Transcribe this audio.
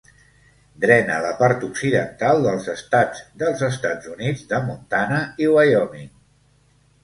Drena la part occidental dels estats dels Estats Units de Montana i Wyoming.